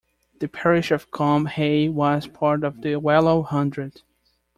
The parish of Combe Hay was part of the Wellow Hundred.